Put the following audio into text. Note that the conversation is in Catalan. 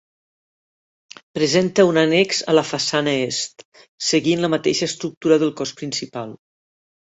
Presenta un annex a la façana est, seguint la mateixa estructura del cos principal.